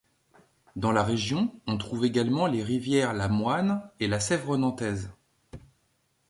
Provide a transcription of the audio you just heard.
Dans la région, on trouve également les rivières la Moine et la Sèvre nantaise.